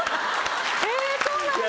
へぇそうなんだ。